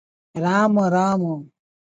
Ram Ram ।"